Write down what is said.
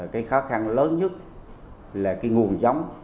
cái khó khăn lớn nhất là cái nguồn giống